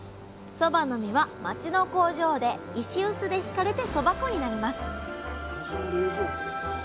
そばの実は町の工場で石臼でひかれてそば粉になります